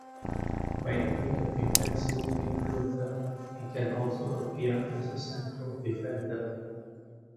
Mainly a defensive midfielder, he can also appear as a central defender.